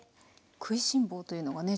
食いしん坊というのがね